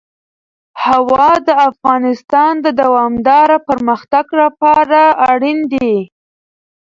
هوا د افغانستان د دوامداره پرمختګ لپاره اړین دي.